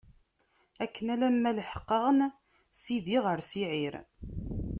Akken alamma leḥqeɣ- n sidi, ɣer Siɛir.